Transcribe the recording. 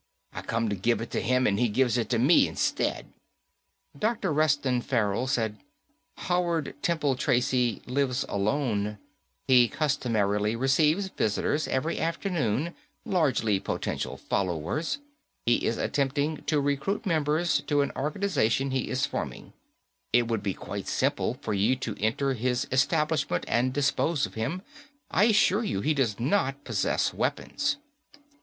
I come to give it to him and he gives it to me instead." Dr. Reston Farrell said, "Howard Temple Tracy lives alone. He customarily receives visitors every afternoon, largely potential followers. He is attempting to recruit members to an organization he is forming. It would be quite simple for you to enter his establishment and dispose of him. I assure you, he does not possess weapons."